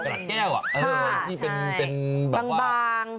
อ๋อกระดาษแก้วอ่ะคืออันนี้แบบว่าแบงบาง